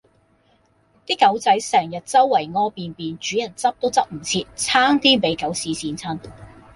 啲狗仔成日周圍痾便便，主人執都執唔切，差啲比狗屎跣親